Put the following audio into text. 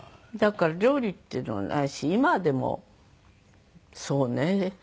だから料理っていうのはないし今でもそうね。